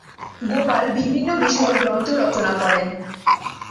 গোপাল বিভিন্ন বিষয়ে গ্রন্থ রচনা করেন।